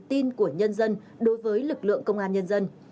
là do nhân dân đối với lực lượng công an nhân dân